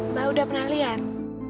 mbak udah pernah liat